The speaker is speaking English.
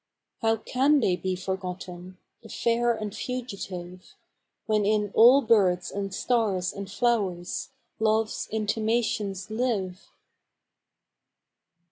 How can they be forgotten, The fair and fugitive, When in all birds and stars and flowers Love's intimations live!